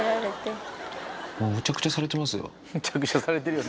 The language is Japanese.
もうむちゃくちゃされてますよ。